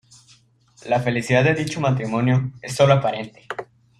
La felicidad de dicho matrimonio es sólo aparente.